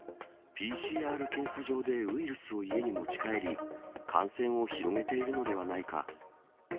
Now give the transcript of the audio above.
ＰＣＲ検査場でウイルスを家に持ち帰り、感染を広げているのではないか。